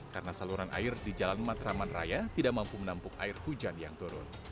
karena saluran air di jalan matraman raya tidak mampu menampuk air hujan yang turun